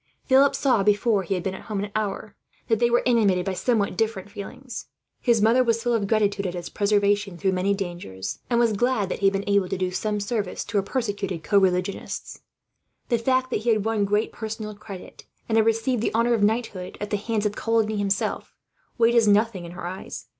Philip saw, before he had been at home an hour, that they were animated by somewhat different feelings. His mother was full of gratitude, at his preservation through many dangers; and was glad that he had been able to do some service to her persecuted co religionists the fact that he had won great personal credit, and had received the honour of knighthood at the hands of Coligny himself, weighed as nothing in her eyes.